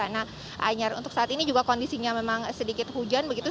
nah anyar untuk saat ini juga kondisinya memang sedikit hujan begitu